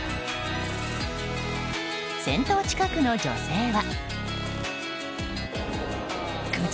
先頭近くの女性は。